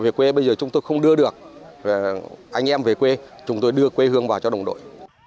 về quê bây giờ chúng tôi không đưa được anh em về quê chúng tôi đưa quê hương vào cho đồng đội